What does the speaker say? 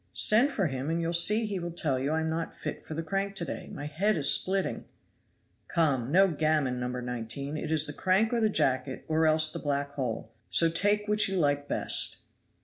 Send for him, and you'll see he will tell you I am not fit for the crank to day; my head is splitting." "Come, no gammon, No. 19; it is the crank or the jacket, or else the black hole. So take which you like best."